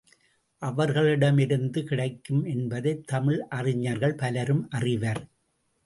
அவர்களிடமிருந்து கிடைக்கும் என்பதைத் தமிழ் அறிஞர்கள் பலரும் அறிவர்.